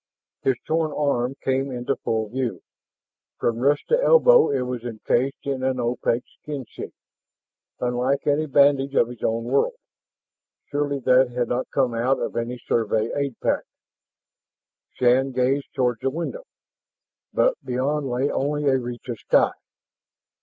His torn arm came into full view. From wrist to elbow it was encased in an opaque skin sheath, unlike any bandage of his own world. Surely that had not come out of any Survey aid pack. Shann gazed toward the window, but beyond lay only a reach of sky.